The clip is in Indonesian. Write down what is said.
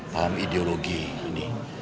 paham ideologi ini